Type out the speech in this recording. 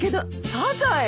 サザエ！